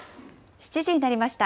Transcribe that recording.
７時になりました。